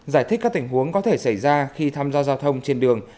giải thích các tình huống có thể xảy ra khi tham gia giao thông trên đường